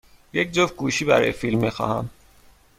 یک جفت گوشی برای فیلم می خواهم.